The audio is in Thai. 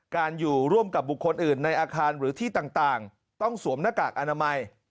อยู่ร่วมกับบุคคลอื่นในอาคารหรือที่ต่างต้องสวมหน้ากากอนามัย